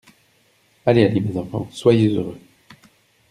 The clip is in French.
Allez, allez, mes enfants, soyez heureux.